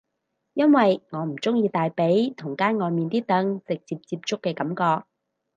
因為我唔鍾意大髀同街外面啲凳直接接觸嘅感覺